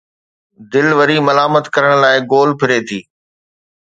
دل وري ملامت ڪرڻ لاءِ گول ڦري ٿي